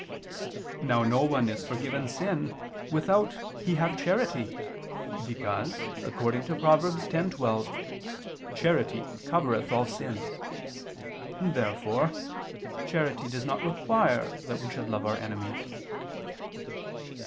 Now no one is forgiven sin without he have charity, because, according to Prov. 10:12, "charity covereth all sins." Therefore charity does not require that we should love our enemies.